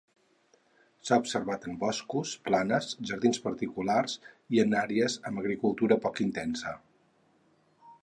S'ha observat en boscos, planes, jardins particulars i en àrees amb agricultura poc intensa.